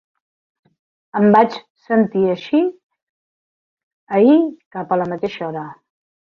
Em vaig sentir així ahir cap a la mateixa hora.